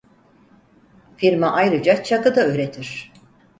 Firma ayrıca çakı da üretir.